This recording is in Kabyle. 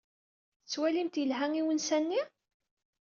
Tettwalim-t yelha i unsa-nni?